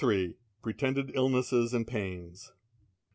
—Pretended illnesses and pains.